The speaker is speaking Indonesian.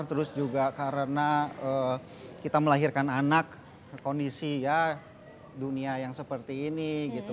terus juga karena kita melahirkan anak kondisi ya dunia yang seperti ini gitu